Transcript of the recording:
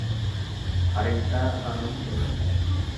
আরেকটা আনোনি তুমি?